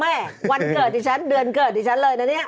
แม่วันเกิดที่ฉันเดือนเกิดที่ฉันเลยนะเนี่ย